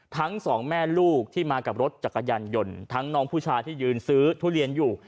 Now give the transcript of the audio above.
ทั้งสองแม่ลูกที่มากับรถจักรยานยนต์ทั้งน้องผู้ชายที่ยืนซื้อทุเรียนอยู่